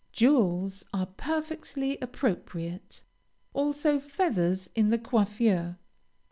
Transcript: Jewels are perfectly appropriate; also feathers in the coiffure.